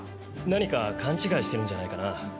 何か勘違いしてるんじゃないかな。